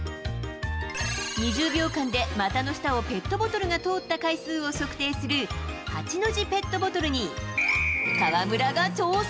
２０秒間でまたの下をペットボトルが通った回数を測定する、８の字ペットボトルに、河村が挑戦。